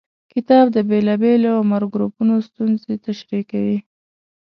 کتاب د بېلابېلو عمر ګروپونو ستونزې تشریح کوي.